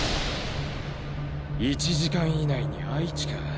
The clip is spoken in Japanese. １時間以内に愛知か。